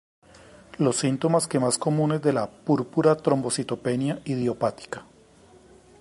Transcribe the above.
Los síntomas que más comunes de la púrpura trombocitopenia idiopática.